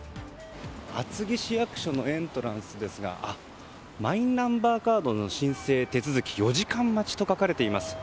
厚木市役所のエントランスですがマイナンバーカードの申請手続き４時間待ちと書かれています。